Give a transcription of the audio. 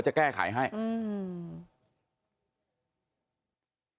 จะแก้ขายให้อืม